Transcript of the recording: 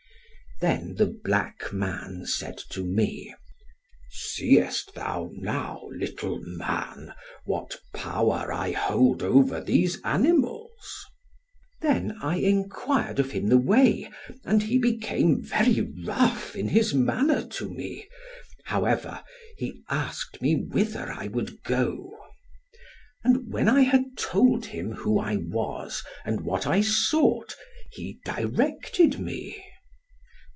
"Then the black man said to me, 'Seest thou now, little man, what power I hold over these animals?' Then I enquired of him the way; and he became very rough in his manner to me; however he asked me whither I would go. And when I had told him who I was, and what I sought, he directed me.